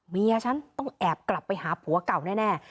เมียฉันต้องแอบกลับไปหาผัวเก่าแน่